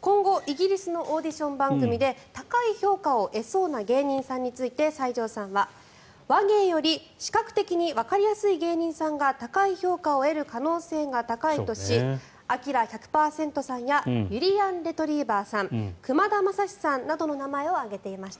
今後イギリスのオーディション番組で高い評価を得そうな芸人さんについて、西条さんは話芸より視覚的にわかりやすい芸人さんが高い評価を得る可能性が高いとしアキラ１００％さんやゆりやんレトリィバァさんくまだまさしさんなどの名前を挙げていました。